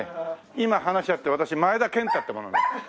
今話し合って私前田健太って者なの。